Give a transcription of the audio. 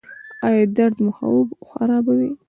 ایا درد مو خوب خرابوي؟